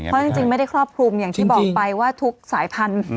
เพราะจริงไม่ได้ครอบคลุมอย่างที่บอกไปว่าทุกสายพันธุ์